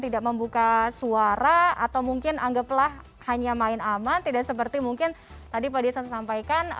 tidak membuka suara atau mungkin anggaplah hanya main aman tidak seperti mungkin tadi pak desa sampaikan